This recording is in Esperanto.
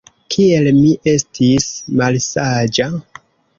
Kiel mi estis malsaĝa!